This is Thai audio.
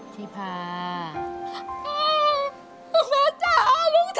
ที่พา